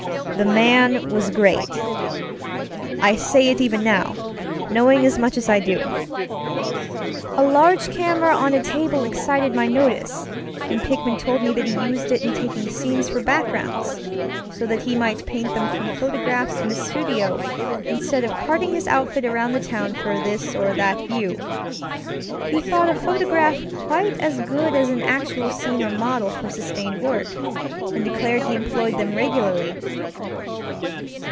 The man was greatŌĆöI say it even now, knowing as much as I do. A large camera on a table excited my notice, and Pickman told me that he used it in taking scenes for backgrounds, so that he might paint them from photographs in the studio instead of carting his outfit around the town for this or that view. He thought a photograph quite as good as an actual scene or model for sustained work, and declared he employed them regularly.